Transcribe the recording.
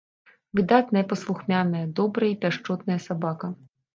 Выдатная паслухмяная, добрая і пяшчотная сабака.